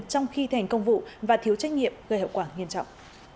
trong khi thành công vụ và thiếu trách nhiệm gây hậu quả nghiêm trọng